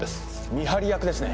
見張り役ですね。